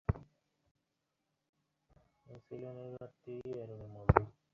মধ্যাহ্নবিরতির আগে শেষ বলটাতেই বাংলাদেশ বড়সড় ধাক্কা খেয়েছিল অধিনায়ক মুশফিককে হারিয়ে।